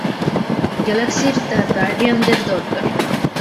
গ্যালাক্সির তার গার্ডিয়ানদের দরকার।